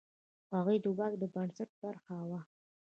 هغوی د واک د بنسټ برخه وه.